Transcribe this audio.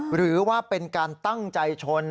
หรือว่าเป็นการตั้งใจชน